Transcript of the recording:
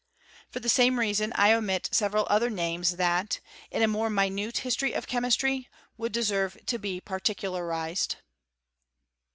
For the same reason I omit several other names that, in a more minute history of chemistry, would desenre to be particularized.